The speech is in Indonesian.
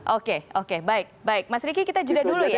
oke oke baik baik mas riki kita jeda dulu ya